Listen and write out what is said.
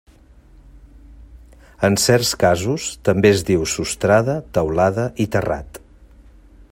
En certs casos, també es diu sostrada, teulada i terrat.